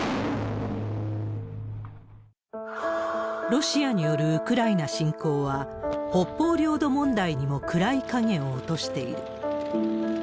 ロシアによるウクライナ侵攻は、北方領土問題にも暗い影を落としている。